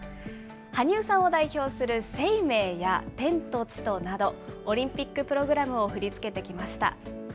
羽生さんを代表するＳＥＩＭＥＩや天と地となど、オリンピックプログラムを振り付けてきました。